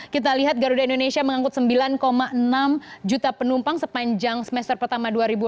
kita lihat garuda indonesia mengangkut sembilan enam juta penumpang sepanjang semester pertama dua ribu enam belas